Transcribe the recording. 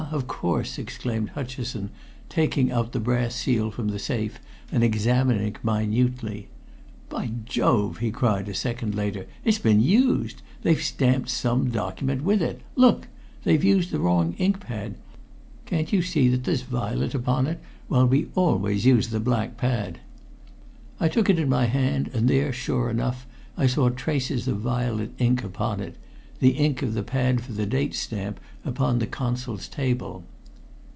of course," exclaimed Hutcheson, taking out the brass seal from the safe and examining it minutely. "By Jove!" he cried a second later, "it's been used! They've stamped some document with it. Look! They've used the wrong ink pad! Can't you see that there's violet upon it, while we always use the black pad!" I took it in my hand, and there, sure enough, I saw traces of violet ink upon it the ink of the pad for the date stamp upon the Consul's table.